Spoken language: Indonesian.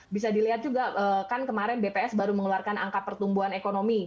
bisa dilihat juga kan kemarin bps baru mengeluarkan angka pertumbuhan ekonomi